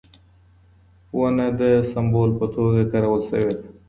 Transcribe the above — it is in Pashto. ونه د سمبول په توګه کارول شوې ده.